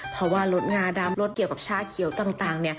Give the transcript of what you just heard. เพราะว่ารถงาดำรถเกี่ยวกับชาเขียวต่าง